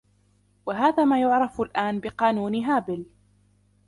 وهذا ما يعرف الآن بـقانون هابل